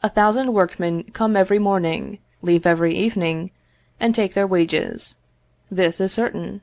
A thousand workmen come every morning, leave every evening, and take their wages this is certain.